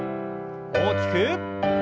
大きく。